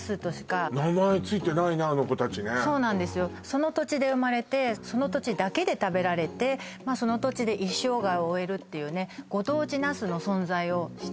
その土地で生まれてその土地だけで食べられてまあその土地で一生涯を終えるっていうねご当地ナスの存在を知ったんですね